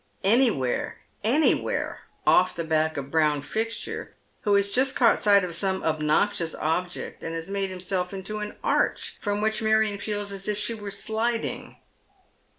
Any where, anywhere, off the back of Brown Fixture, who has just caught sight of some obnoxious object, and has made himself into an arch from which Marion feels as if she were sliding.